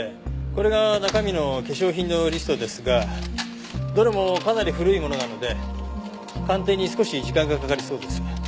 これが中身の化粧品のリストですがどれもかなり古いものなので鑑定に少し時間がかかりそうです。